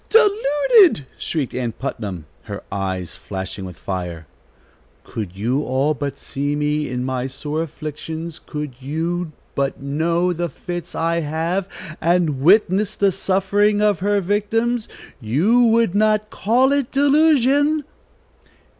"Deluded!" shrieked Ann Putnam, her eyes flashing with fire. "Could you all but see me in my sore afflictions, could you but know the fits I have, and witness the suffering of her victims, you would not call it delusion."